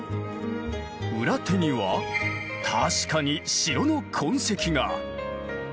裏手には確かに城の痕跡が！